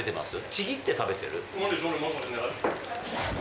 ちぎって食べてる？